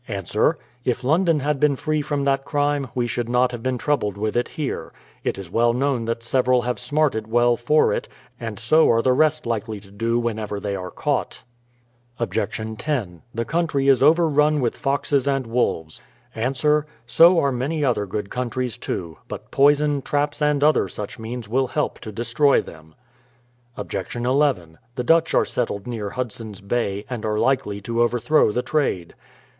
Ans : If London had been free from that crime, we should not have been troubled with it here. It is well known that several have smarted well for it— and so are the rest likely to do whenevej; they are caught. THE PLYI^IOUTH SETTLEMENT 139 Obj. 10. The country is over run with foxes and wolves. Ans: So are many other good countries, too; but poison, traps, and other such means will help to destroy them. Obj. II. The Dutch are settled near Hudson's Bay, and are likely to overthrow the trade.